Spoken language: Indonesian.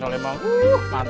itu tidak benar